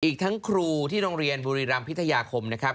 อีกทั้งครูที่โรงเรียนบุรีรำพิทยาคมนะครับ